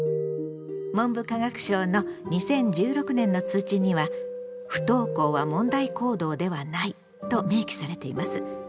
文部科学省の２０１６年の通知には「不登校は問題行動ではない」と明記されています。